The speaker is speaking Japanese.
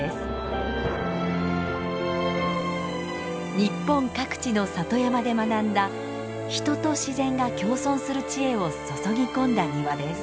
日本各地の里山で学んだ人と自然が共存する知恵を注ぎ込んだ庭です。